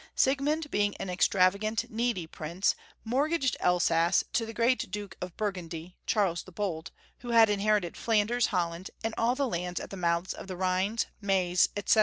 Siegmund being an extravagant, needy prince, mortgaged Elsass to the great Duke of Burgundy, 248 Young Folks'* Sistory of Q ermany. Charles the Bold, who had inherited Flanders, Holland, and all the lands at the mouths of the Rhine, Maes, &e.